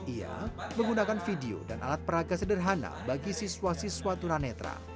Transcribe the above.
ia menggunakan video dan alat peraga sederhana bagi siswa siswa tunanetra